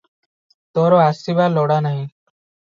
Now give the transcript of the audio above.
ତୋର ଆସିବ ଲୋଡ଼ା ନାହିଁ ।"